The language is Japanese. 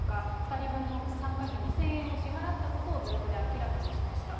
２人分の参加費２０００円を支払ったことをブログで明らかにしました。